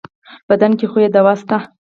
بدن کې خو يې دوا شته.